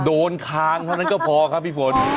โดนค้างฉะนั้นก็พอครับพี่ฝน